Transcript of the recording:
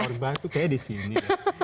pantai orba tuh kayak disini